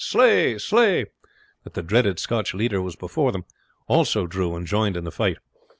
Slay! Slay!" that the dreaded Scotch leader was before them, also drew and joined in the fight.